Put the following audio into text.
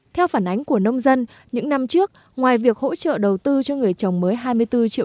theo phản ánh của nông dân những năm trước ngoài việc hỗ trợ đầu tư cho người trồng mới hai mươi bốn triệu